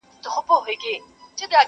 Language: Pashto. اوس به څوك راويښوي زاړه نكلونه٫